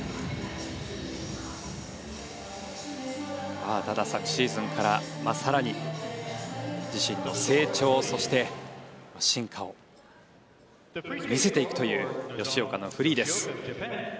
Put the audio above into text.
まあただ昨シーズンから更に自身の成長そして進化を見せていくという吉岡のフリーです。